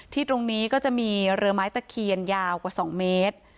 ตรงนี้ก็จะมีเรือไม้ตะเคียนยาวกว่า๒เมตร